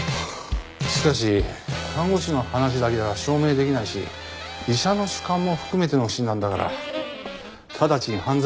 しかし看護師の話だけでは証明できないし医者の主観も含めての診断だから直ちに犯罪にはならないよ。